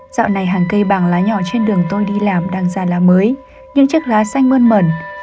dạo này hàng cây bằng lá nhỏ trên đường tôi đi làm đang ra lá mới những chiếc lá xanh mơn mẩn